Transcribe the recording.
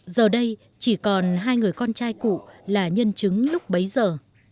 giờ đây chỉ còn hai người con trai cụ là nhân chứng lúc bấy giờ